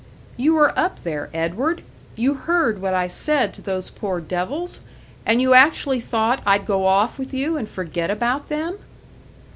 "You were up there, Edward! You heard what I said to those poor devils! And you actually thought I'd go off with you and forget about them!"